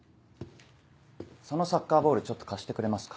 そのサッカーボールちょっと貸してくれますか。